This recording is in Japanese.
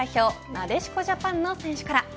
なでしこジャパンの選手から。